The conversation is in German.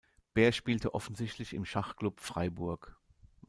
Bähr spielte offensichtlich im Schachklub Freiburg.